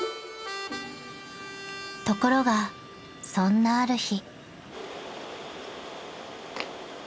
［ところがそんなある日］